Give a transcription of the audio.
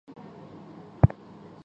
叫他起来